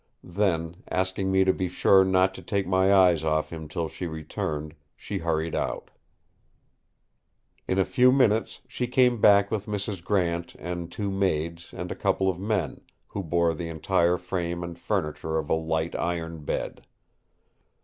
Then, asking me to be sure not to take my eyes off him till she returned, she hurried out. In a few minutes she came back with Mrs. Grant and two maids and a couple of men, who bore the entire frame and furniture of a light iron bed.